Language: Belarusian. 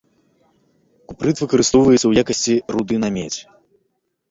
Купрыт выкарыстоўваецца ў якасці руды на медзь.